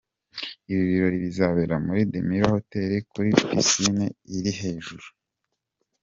Ibi birori bizabera muri The Mirror Hotel kuri Pisine iri hejuru.